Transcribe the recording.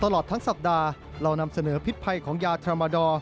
ตลอดทั้งสัปดาห์เรานำเสนอพิษภัยของยาธรรมดอร์